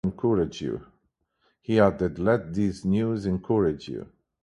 He added, Let this news encourage you!